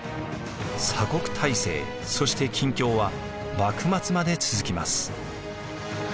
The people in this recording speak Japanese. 鎖国体制そして禁教は幕末まで続きます。